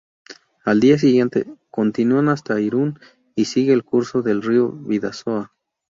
Al día siguiente continúan hasta Irún, y siguen el curso del río Bidasoa.